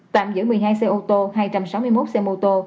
tạm giữ một mươi hai xe ô tô hai trăm sáu mươi một xe mô tô